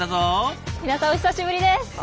お久しぶりです。